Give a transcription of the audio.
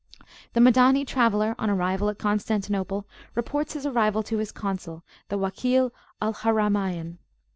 The Madani traveller, on arrival at Constantinople, reports his arrival to his Consul, the Wakil al Haramayn.